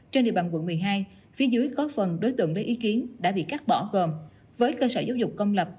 trên địa bàn quận một mươi hai phía dưới có phần đối tượng lấy ý kiến đã bị cắt bỏ gồm với cơ sở giáo dục công lập